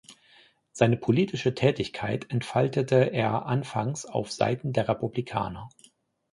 Seine politische Tätigkeit entfaltete er anfangs auf Seiten der Republikaner.